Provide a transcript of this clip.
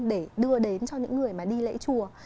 để đưa đến cho những người mà đi lễ chùa